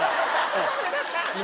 ごめんなさい。